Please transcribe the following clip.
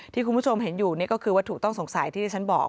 ที่คุณผู้ชมเห็นอยู่นี่ก็คือวัตถุต้องสงสัยที่ที่ฉันบอก